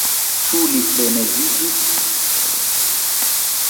Ĉu li freneziĝis?